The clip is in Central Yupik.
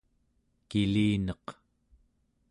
kilineq